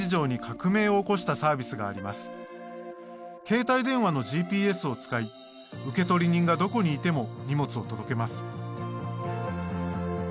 携帯電話のＧＰＳを使い受取人がどこにいても荷物を届けます。